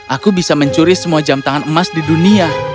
aku bisa mencuri semua jam tangan emas di dunia